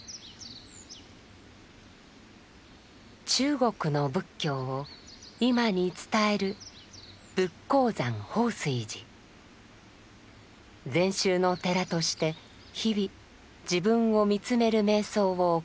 中国の仏教を今に伝える禅宗の寺として日々自分を見つめる瞑想を行っています。